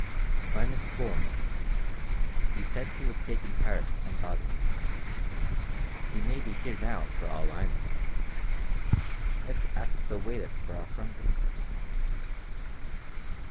"Finest form. Said he would take in Paris and Baden. He may be here now for all I know. Let's ask the waiter for a Fremden List."